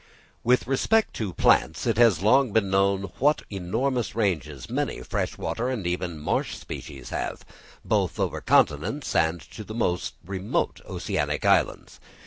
With respect to plants, it has long been known what enormous ranges many fresh water, and even marsh species, have, both over continents and to the most remote oceanic islands.